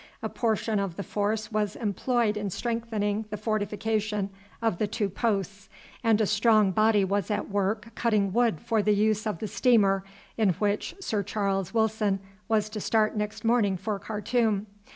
A portion of the force was employed in strengthening the fortifications of the two posts, and a strong body was at work cutting wood for the use of the steamer in which Sir Charles Wilson was to start next morning for Khartoum.